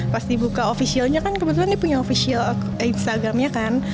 pas dibuka officialnya kan kebetulan dia punya official instagramnya kan